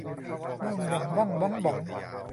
บอง บ่อง บ้อง บ๊อง บ๋อง